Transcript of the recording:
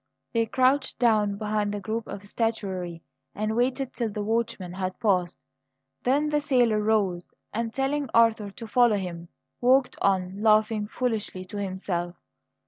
They crouched down behind the group of statuary and waited till the watchman had passed. Then the sailor rose, and, telling Arthur to follow him, walked on, laughing foolishly to himself.